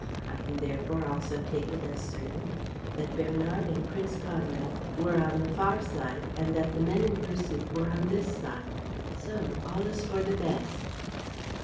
I can therefore also take it as certain that Bernard and Prince Conrad were on the far side and that the men in pursuit were on this side. So all is for the best."